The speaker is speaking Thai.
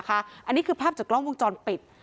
อันนี้คือภาพจากกล้องวงจรปิด